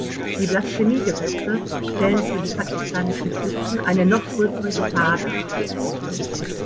Die Blasphemie-Gesetze stellen für die pakistanischen Christen eine noch größere Gefahr dar.